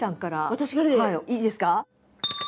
私からでいいですか？